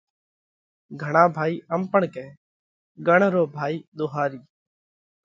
گھڻا ڀائِي ام پڻ ڪئه: ڳڻ رو ڀائِي ۮوهارِي۔